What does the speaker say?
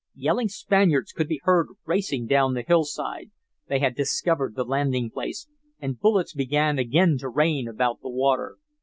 Yelling Spaniards could be heard racing down the hillside. They had discovered the landing place, and bullets began again to rain about the water.